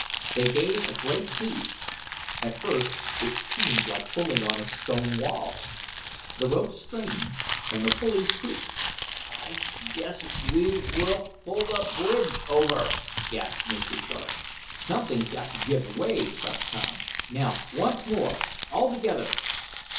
They gave a great heave. At first it seemed like pulling on a stone wall. The rope strained and the pulleys creaked. "I guess we will pull the bridge over!" gasped Mr. Sharp. "Something's got to give way!" puffed Tom. "Now, once more! All together!"